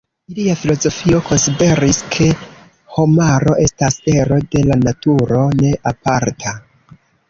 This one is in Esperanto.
Ilia filozofio konsideris, ke homaro estas ero de la naturo, ne aparta.